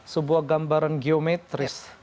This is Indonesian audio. sebuah gambaran geometris